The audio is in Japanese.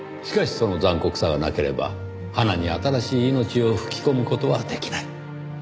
しかしその残酷さがなければ花に新しい命を吹き込む事はできない。